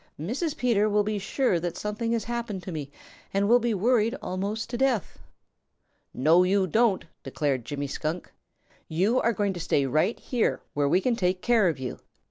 "Mrs. Peter will be sure that something has happened to me and will be worried almost to death." "No, you don't!" declared Jimmy Skunk. "You are going to stay right here where we can take care of you.